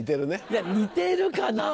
いや似てるかな？